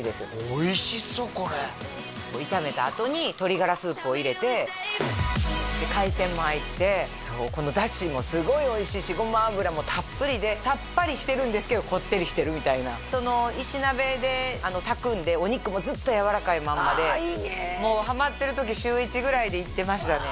おいしそうこれ炒めたあとに鶏ガラスープを入れてで海鮮も入ってこの出汁もすごいおいしいしごま油もたっぷりでさっぱりしてるんですけどこってりしてるみたいなその石鍋で炊くんでお肉もずっとやわらかいまんまでもうハマってる時週１ぐらいで行ってましたね